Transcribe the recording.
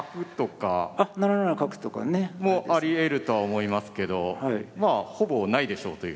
七角とかね。もありえるとは思いますけどまあほぼないでしょうという。